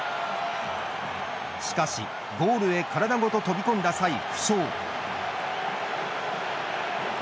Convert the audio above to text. しかし、ゴールへ体ごと飛び込んだ際、負傷。